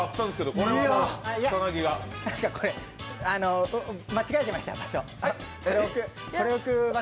これ、間違えてました場所